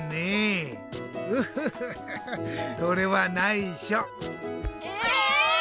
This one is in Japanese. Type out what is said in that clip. それはないしょ。